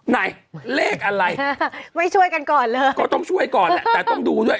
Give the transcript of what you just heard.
ไหนเลขอะไรไม่ช่วยกันก่อนเลยก็ต้องช่วยก่อนแหละแต่ต้องดูด้วย